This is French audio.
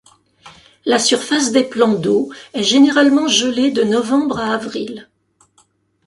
La surface des plans d'eau est généralement gelée de novembre à avril.